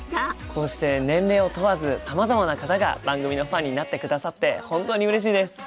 こうして年齢を問わずさまざまな方が番組のファンになってくださって本当にうれしいです。